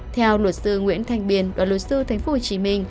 theo luật sư nguyễn thanh biên đoàn luật sư tp hcm